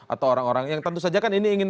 atau orang orang yang tentu saja kan ini ingin